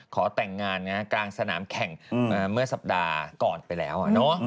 ขอแต่งงานกลางสนามแข่งเมื่อสัปดาห์ก่อนไปแล้ว